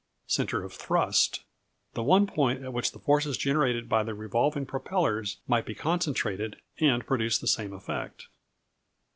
Centre of Thrust The one point at which the forces generated by the revolving propellers might be concentrated, and produce the same effect.